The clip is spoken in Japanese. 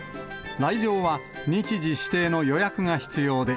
来場は日時指定の予約が必要で、